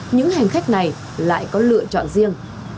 những hành khách này lại có lựa chọn riêng